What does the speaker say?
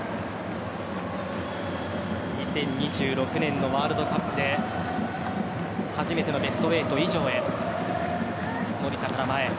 ２０２６年のワールドカップで初めてのベスト８以上へ。